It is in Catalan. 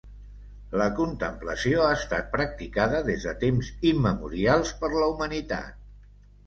La contemplació ha estat practicada des de temps immemorials per la humanitat.